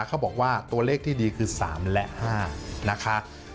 เขาบอกว่าตัวเลขที่ดีคือ๓และ๕นะคะ